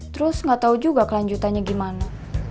terus gak tau juga kelanjutannya gimana